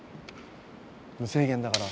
無制限だから。